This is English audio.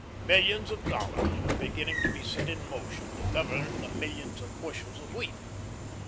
Millions of dollars were beginning to be set in motion to govern the millions of bushels of wheat.